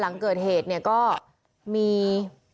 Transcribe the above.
หลังเกิดเหตุเนี่ยก็มี